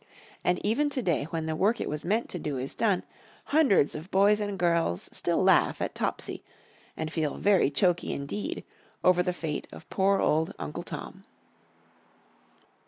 And even today when the work it was meant to do is done, hundreds of boys and girls still laugh at Topsy and feel very choky indeed over the fate of poor old Uncle Tom.